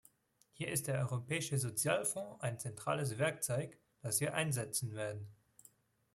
Hier ist der Europäische Sozialfonds ein zentrales Werkzeug, das wir einsetzen werden.